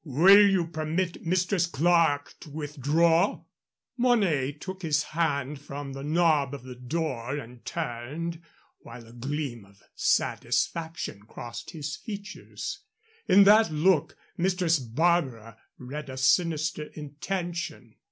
Will you permit Mistress Clerke to withdraw?" Mornay took his hand from the knob of the door and turned, while a gleam of satisfaction crossed his features. In that look Mistress Barbara read a sinister intention.